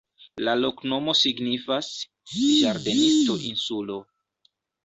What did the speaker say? La loknomo signifas: ĝardenisto-insulo.